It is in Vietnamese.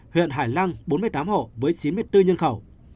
huyện hải lăng bốn mươi tám hộ với chín mươi bốn nhân khẩu